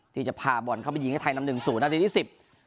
ที่จะพาบอลเข้าไปยิงให้ไทยนำหนึ่งศูนย์นาทีที่สิบ